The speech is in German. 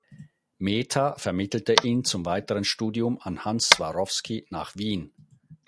Mehta vermittelte ihn zum weiteren Studium an Hans Swarowsky nach Wien.